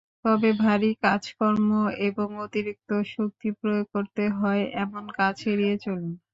তবে ভারী কাজকর্ম এবং অতিরিক্ত শক্তি প্রয়োগ করতে হয়—এমন কাজ এড়িয়ে চলুন।